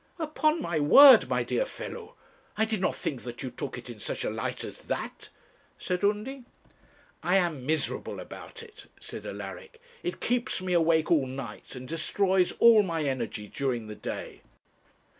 'Upon my word, my dear fellow, I did not think that you took it in such a light as that,' said Undy. 'I am miserable about it,' said Alaric. 'It keeps me awake all night, and destroys all my energy during the day.'